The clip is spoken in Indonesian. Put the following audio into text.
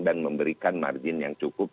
dan memberikan margin yang cukup